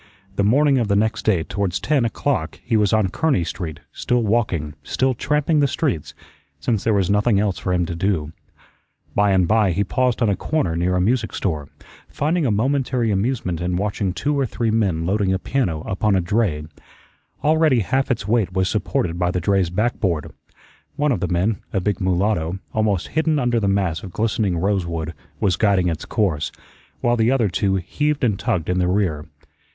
The morning of the next day towards ten o'clock he was on Kearney Street, still walking, still tramping the streets, since there was nothing else for him to do. By and by he paused on a corner near a music store, finding a momentary amusement in watching two or three men loading a piano upon a dray. Already half its weight was supported by the dray's backboard. One of the men, a big mulatto, almost hidden under the mass of glistening rosewood, was guiding its course, while the other two heaved and tugged in the rear.